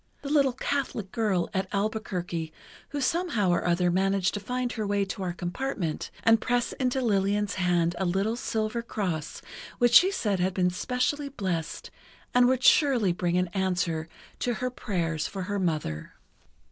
the little Catholic girl at Albuquerque who somehow or other managed to find her way to our compartment and press into Lillian's hand a little silver cross which she said had been specially blessed and would surely bring an answer to her prayers for her mother.